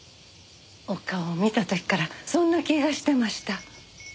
お顔を見た時からそんな気がしてました。